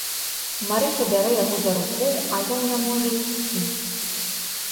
Марыся бярэ яго за руку, а ён не можа ісці.